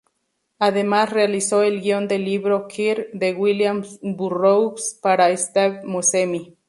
Además realizó el guion del libro "Queer" de William Burroughs, para Steve Buscemi.